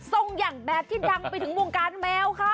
อย่างแบบที่ดังไปถึงวงการแมวค่ะ